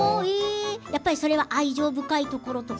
やっぱりそれは愛情深いところとか？